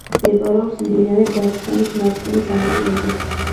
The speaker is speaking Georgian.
მდებარეობს მდინარე ბარცხანის მარცხენა სანაპიროზე.